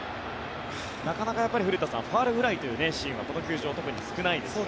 なかなか古田さんファウルフライというシーンはこの球場は特に少ないですね。